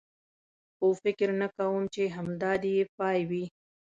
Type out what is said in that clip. خو فکر نه کوم، چې همدا دی یې پای وي.